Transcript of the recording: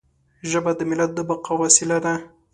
ژبه د ملت د بقا وسیله ده.